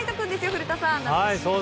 古田さん！